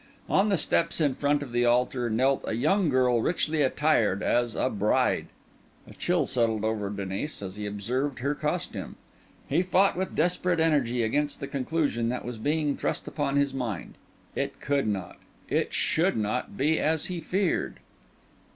On the steps in front of the altar knelt a young girl richly attired as a bride. A chill settled over Denis as he observed her costume; he fought with desperate energy against the conclusion that was being thrust upon his mind; it could not—it should not—be as he feared.